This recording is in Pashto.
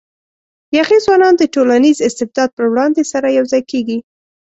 یاغي ځوانان د ټولنیز استبداد پر وړاندې سره یو ځای کېږي.